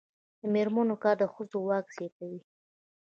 د میرمنو کار د ښځو واک زیاتوي.